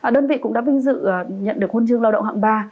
đơn vị cũng đã vinh dự nhận được hôn chương lao động hạng ba